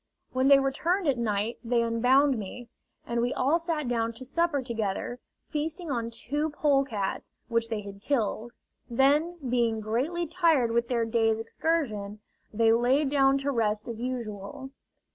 When they returned at night they unbound me, and we all sat down to supper together, feasting on two polecats which they had killed. Then, being greatly tired with their day's excursion, they lay down to rest as usual.